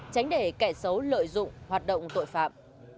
tránh để kẻ xấu lợi dụng hoạt động tội phạm